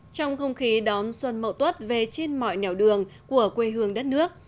trong không khí đón xuân mậu tuất về trên mọi nẻo đường của quê hương đất nước